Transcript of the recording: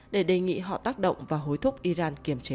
để đề nghị họ tác động và hối thúc iran kiềm chế